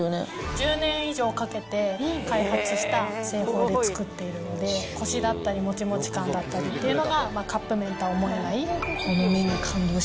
１０年以上かけて開発した製法で作っているんで、コシだったり、もちもち感だったりっていうのが、カップ麺とは思えない。